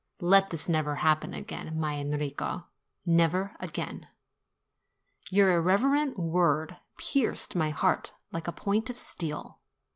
Let this never happen again, my Enrico, never again ! Your irreverent word pierced my heart like a point of steel.